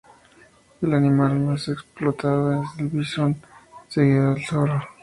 El animal más explotado es el visón, seguido del zorro.